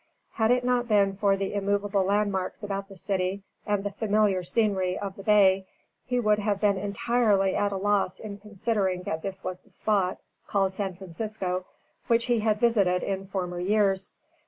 Had it not been for the immovable landmarks about the city and the familiar scenery of the bay, he would have been entirely at a loss in considering that this was the spot, called San Francisco, which he had visited in former years.